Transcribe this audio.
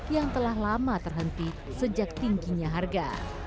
yang telah lama terhenti sejak tingginya harga